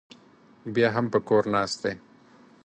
بیا هم په کور ناست دی.